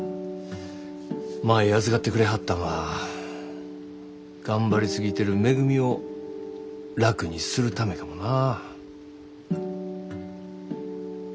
舞預かってくれはったんは頑張り過ぎてるめぐみを楽にするためかもな。